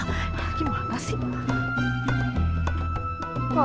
gimana sih pak